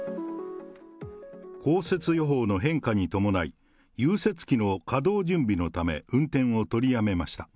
降雪予報の変化に伴い、融雪器の稼働準備のため運転を取りやめました。